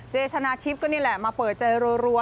เจชนะชิปก็นี่แหละมาเปิดใจรว